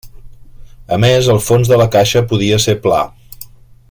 A més el fons de la caixa podia ser pla.